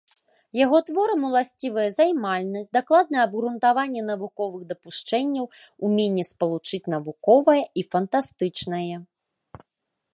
Яго творам уласцівыя займальнасць, дакладнае абгрунтаванне навуковых дапушчэнняў, уменне спалучыць навуковае і фантастычнае.